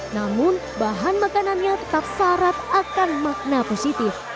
namun bahan makanannya tetap syarat akan makna positif